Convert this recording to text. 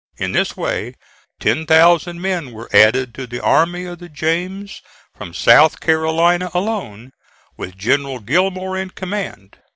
In this way ten thousand men were added to the Army of the James from South Carolina alone, with General Gillmore in command.